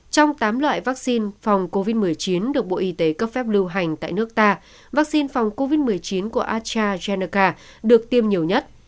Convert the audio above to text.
trong tám loại vaccine phòng covid một mươi chín được bộ y tế cấp phép lưu hành tại nước ta vaccine phòng covid một mươi chín của acha geneca được tiêm nhiều nhất